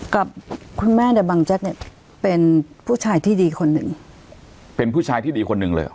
กับคุณแม่เนี่ยบังแจ็คเนี่ยเป็นผู้ชายที่ดีคนหนึ่งเป็นผู้ชายที่ดีคนหนึ่งเลยเหรอ